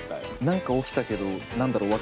何か起きたけど何だろう？